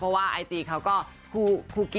เพราะว่ายกีฟาร์โน้นเขาก็